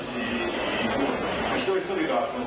ที่จะเปิดเกม